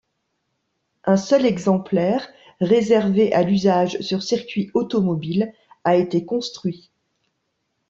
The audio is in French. Un seul exemplaire, réservé à l'usage sur circuit automobile, a été construit.